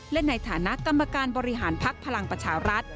และในฐานะกรรมการบริหารภักดิ์พลังประชารัฐ